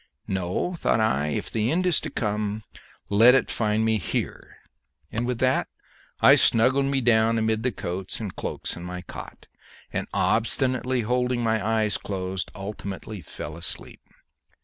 No, thought I, if the end is to come let it find me here; and with that I snugged me down amid the coats and cloaks in my cot, and, obstinately holding my eyes closed, ultimately fell asleep.